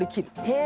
へえ！